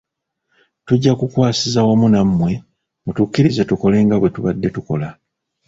Tujja kukwasiza wamu nammwe mutukkirize tukole nga bwe tubadde tukola.